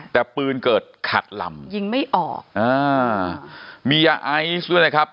แต่ปืนเกิดขัดลำยิงไม่ออกอ่ามียาไอซ์ด้วยนะครับ